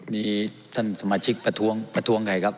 มีท่านสมาชิกประท้วงประท้วงใครครับ